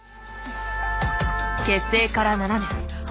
結成から７年。